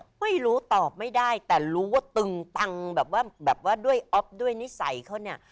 ก็ไม่รู้ตอบไม่ได้แต่รู้ว่าตึงตังแบบว่าแบบว่าด้วยอ๊อฟด้วยนิสัยเขาเนี่ย